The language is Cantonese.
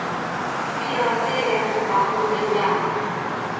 啲阿姐嘅旁白好頂癮